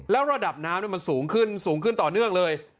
แล้วระดับน้ำมันสูงขึ้นสูงขึ้นต่อเนื่องเลย